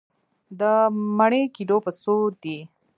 د مڼې کيلو په څو دی؟